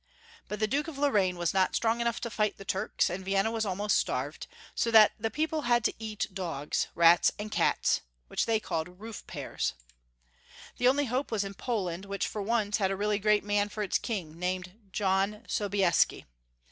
But the Duke of Lorraine was not strong enough to fight the Turks, and Vienna was almost starved, so that the people had to eat dogs, rats, and cats (which they called roofpares). The 362 Young Folks'' Hutory of Germany. only hope was in Poland, which for once had a really great man for its King, named John Sobieski.